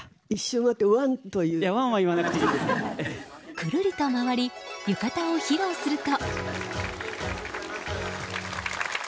くるりと回り浴衣を披露すると。